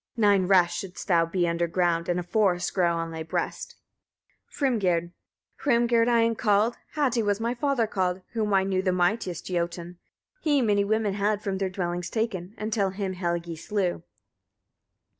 Nine rasts shouldst thou be underground, and a forest grow on thy breast. Hrimgerd. 17. Hrimgerd I am called, Hati was my father called, whom I knew the mightiest Jotun. He many women had from their dwellings taken, until him Helgi slew.